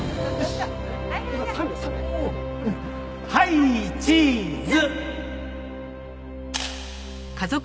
はいチーズ！